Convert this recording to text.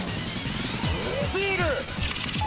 シール！